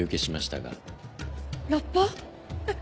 えっ